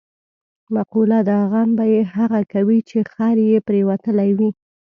مقوله ده: غم به یې هغه کوي، چې خر یې پرېوتلی وي.